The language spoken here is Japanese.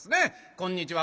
「こんにちは」。